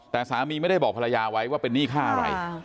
แต่สามีไม่ได้บอกภรรยาไว้ว่าเป็นหนี้ค่าอะไร